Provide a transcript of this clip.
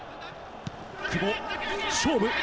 久保、勝負！